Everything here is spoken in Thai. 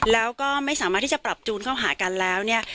แล้วก็ไม่สามารถที่จะปรับจูนเข้าหากันแล้วเนี่ย